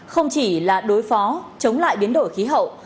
không chỉ là đối phó chống lại biến đổi khí hậu